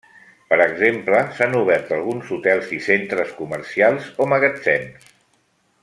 Per exemple, s'han obert alguns hotels i centres comercials o magatzems.